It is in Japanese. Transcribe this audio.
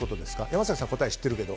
山崎さん答え知ってるけど。